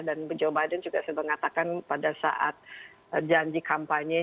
dan joe biden juga sudah mengatakan pada saat janji kampanye